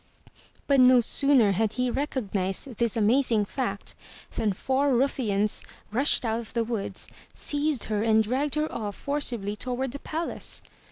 But no sooner had he recognized this amazing fact, than four ruffians rushed out of the woods, seized her and dragged her off forcibly toward the palace.